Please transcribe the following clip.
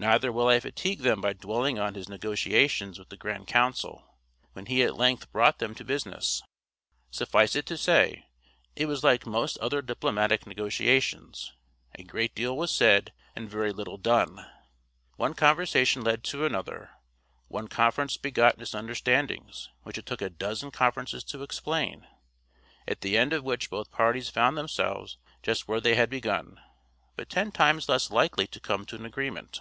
Neither will I fatigue them by dwelling on his negotiations with the grand council, when he at length brought them to business. Suffice it to say, it was like most other diplomatic negotiations; a great deal was said and very little done; one conversation led to another; one conference begot misunderstandings which it took a dozen conferences to explain, at the end of which both parties found themselves just where they had begun, but ten times less likely to come to an agreement.